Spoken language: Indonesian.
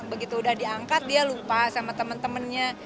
begitu udah diangkat dia lupa sama temen temennya